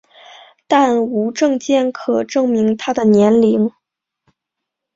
但无证件可证明她的年龄。